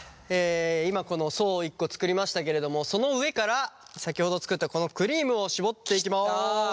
今この層を１個作りましたけれどもその上から先ほど作ったこのクリームをしぼっていきます！